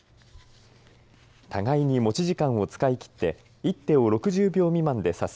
互いに持ち時間を使い切って１手を６０秒未満で出す